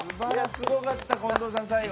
すごかった、近藤さん、最後。